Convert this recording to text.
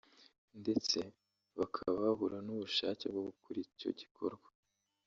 ndetse bakaba babura n’ubushake bwo gukora icyo gikorwa